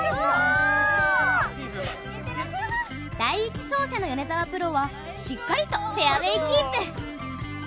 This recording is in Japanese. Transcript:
第１走者の米澤プロはしっかりとフェアウェイキープ。